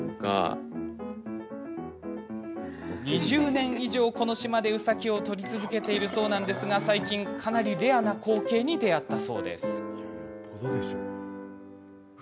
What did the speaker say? ２０年以上、この島でうさぎを撮り続けているそうなんですが最近、かなりレアな光景に出会ったそうです。